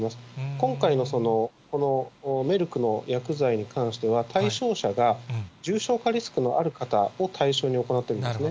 今回のこのメルクの薬剤に関しては、対象者が重症化リスクのある方を対象に行っているんですね。